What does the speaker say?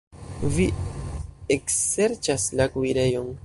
Vi ekserĉas la kuirejon.